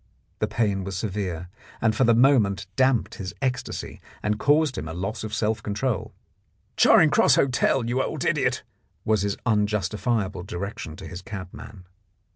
The pain was severe, and for the moment damped his ecstasy and caused him a loss of self control. "Charing Cross Hotel, you old idiot!" was his unjustifiable direction to his cabman.